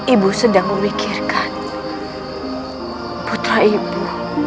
ibu sedang memikirkan putra ibu